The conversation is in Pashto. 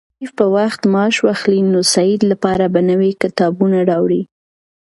که شریف په وخت معاش واخلي، نو د سعید لپاره به نوي کتابونه راوړي.